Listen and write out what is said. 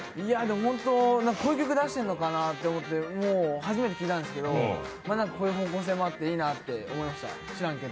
ほんとこういう曲出してるのかなと思って、初めて聴いたんですけど、こういう方向性もあっていいなと思いました、知らんけど。